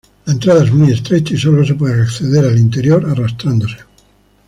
La entrada es muy estrecha, y solo se puede acceder al interior arrastrándose.